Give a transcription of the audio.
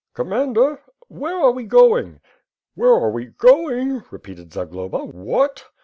"Commander, where are we going?'' "Where are we going?'' repeated Zagloba, "what?"